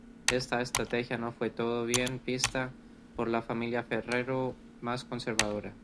Esta estrategia no fue del todo bien vista por la familia Ferrero, más conservadora.